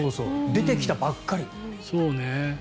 出てきたばっかり。